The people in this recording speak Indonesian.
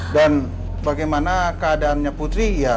dan bagaimana keadaannya putri ya